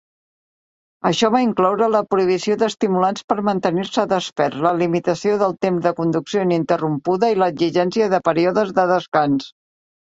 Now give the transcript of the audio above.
Això va incloure la prohibició dels estimulants per mantenir-se desperts, la limitació del temps de conducció ininterrompuda i l'exigència de períodes de descans.